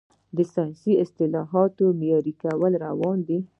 د ساینسي اصطلاحاتو معیاري کول روان دي.